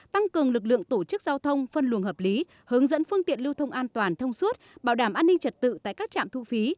tăng cường lực lượng tổ chức giao thông phân luồng hợp lý hướng dẫn phương tiện lưu thông an toàn thông suốt bảo đảm an ninh trật tự tại các trạm thu phí